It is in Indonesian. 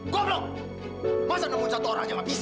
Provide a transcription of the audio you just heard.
goklok masa nemuin satu orang aja gak bisa